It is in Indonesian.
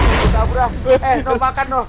eh kamu makan dong